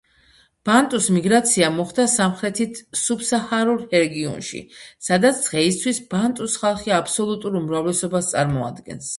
ბანტუს მიგრაცია მოხდა სამხრეთით სუბსაჰარულ რეგიონში, სადაც დღეისთვის ბანტუს ხალხი აბსოლუტურ უმრავლესობას წარმოადგენს.